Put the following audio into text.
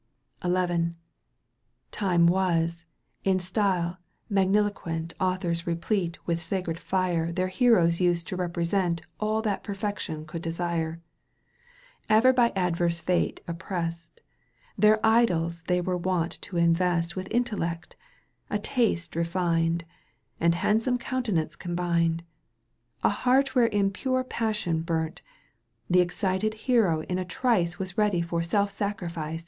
XI. Time was, in style magnHoquent Authors replete with sacred fire Their heroes used to represent All that perfection could desire ; Ever by adverse fate oppressed, Their idols they were wont to invest With intellect, a taste refined, And handsome countenance combined, A heart wherein pure passion burnt ; The excited hero in a trice Was ready for self sacrifice.